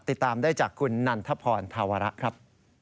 ติดตามได้จากคุณนันทพรธาวระครับ